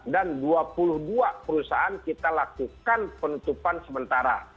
dan dua puluh dua perusahaan kita lakukan penutupan sementara